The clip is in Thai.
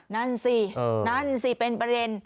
นั่นสินั่นสิเป็นประเด็น